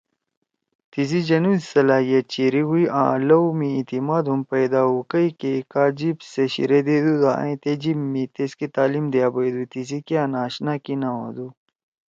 تیِسی جنُو سی صلاحیت چیری ہوئی آں لؤ می اعتماد ہُم پیدا ہودُو کَئی کہ کا جیِب سے شیِرے دیدُودا أئں تے جیب می تیسکے تعلیم دیا بیَدُو۔ تیسی کیا ناآشنا کی نہ ہودُو۔